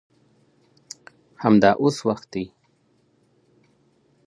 همدا اوس وخت دی.